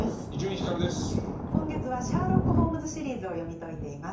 今月は「シャーロック・ホームズ・シリーズ」を読み解いています。